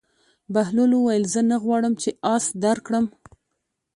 بهلول وویل: زه نه غواړم چې اس درکړم.